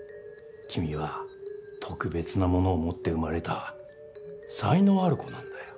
君は特別なものを持って生まれた才能ある子なんだよ。